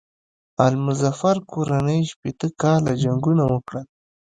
آل مظفر کورنۍ شپېته کاله جنګونه وکړل.